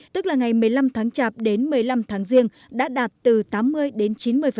tức là ngày một mươi năm tháng chạp đến một mươi năm tháng riêng đã đạt từ tám mươi đến chín mươi